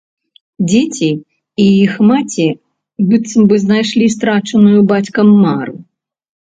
Дзеці і іх маці быццам бы знайшлі страчаную бацькам мару.